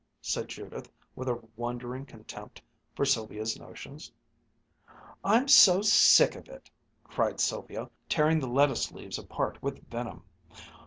said Judith with a wondering contempt for Sylvia's notions. "I'm so sick of it!" cried Sylvia, tearing the lettuce leaves apart with venom.